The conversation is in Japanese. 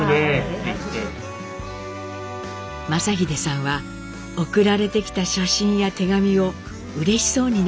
正英さんは送られてきた写真や手紙をうれしそうに眺めていたといいます。